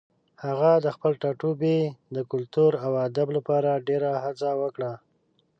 هغه د خپل ټاټوبي د کلتور او ادب لپاره ډېره هڅه وکړه.